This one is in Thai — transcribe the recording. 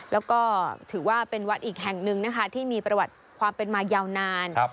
แล้วก็ถือว่าเป็นวัดอีกแห่งหนึ่งนะคะที่มีประวัติความเป็นมายาวนาน